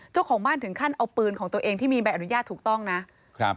เจ้าของบ้านถึงขั้นเอาปืนของตัวเองที่มีใบอนุญาตถูกต้องนะครับ